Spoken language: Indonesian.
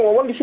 wawan di sini